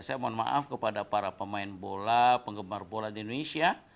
saya mohon maaf kepada para pemain bola penggemar bola di indonesia